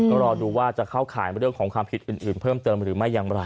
ก็รอดูว่าจะเข้าข่ายเรื่องของความผิดอื่นเพิ่มเติมหรือไม่อย่างไร